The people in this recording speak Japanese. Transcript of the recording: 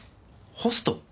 ホスト？